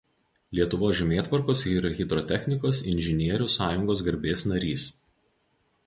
Lietuvos žemėtvarkos ir hidrotechnikos inžinierių sąjungos garbės narys.